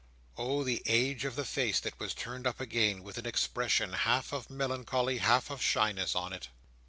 Oh! the age of the face that was turned up again, with an expression, half of melancholy, half of slyness, on it!